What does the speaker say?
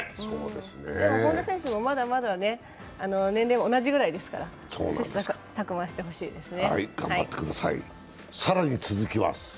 でも本多選手もまだまだ年齢も同じくらいですから切磋琢磨してほしいですね。